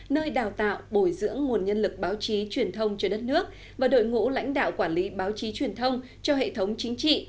nơi đào tạo bồi dưỡng nguồn nhân lực báo chí truyền thông cho đất nước và đội ngũ lãnh đạo quản lý báo chí truyền thông cho hệ thống chính trị